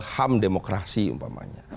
ham demokrasi umpamanya